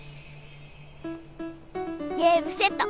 ゲームセット！